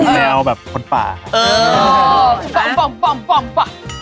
แบบแมวแบบคนป่าอะเออป่าป่า